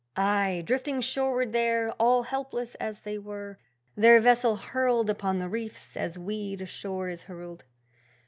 Aye! drifting shoreward there, All helpless as they were, Their vessel hurled upon the reefs as weed ashore is hurled.